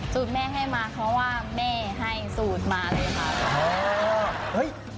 สูตรแม่ให้มาเพราะว่าแม่ให้สูตรมาเลยค่ะ